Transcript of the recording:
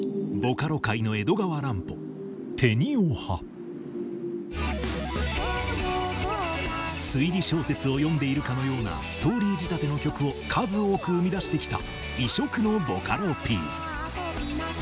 それでは推理小説を読んでいるかのようなストーリー仕立ての曲を数多く生み出してきた異色のボカロＰ。